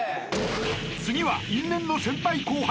［次は因縁の先輩後輩］